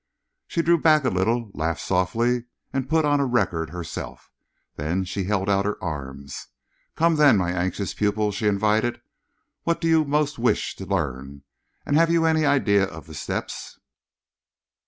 She drew back a little, laughed softly, and put on a record herself. Then she held out her arms. "Come, then, my anxious pupil," she invited. "What do you most wish to learn, and have you any idea of the steps?"